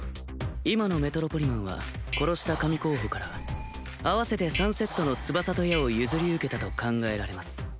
今のメトロポリマンは殺した神候補から合わせて３セットの翼と矢を譲り受けたと考えられます